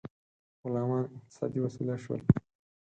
غلامان اقتصادي وسیله شول.